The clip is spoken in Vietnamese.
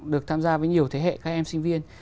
được tham gia với nhiều thế hệ các em sinh viên